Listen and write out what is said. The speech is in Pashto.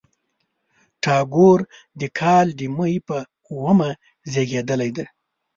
ټاګور د کال د مۍ په اوومه زېږېدلی دی.